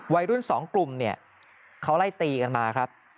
วัยรุ่น๒กลุ่มเขาไล่ตีกันมาครับ